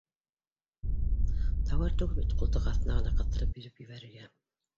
— Тауар түгел бит ҡултыҡ аҫтына ғына ҡыҫтырып биреп ебәрергә